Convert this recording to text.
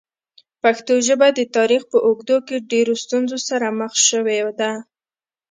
پښتو ژبه د تاریخ په اوږدو کې ډېرو ستونزو سره مخ شوې ده.